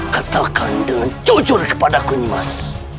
katakan dengan jujur kepadaku nimas